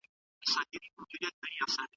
د بودیجي تصویب ولي ځنډیږي؟